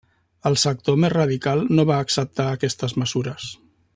El sector més radical no va acceptar aquestes mesures.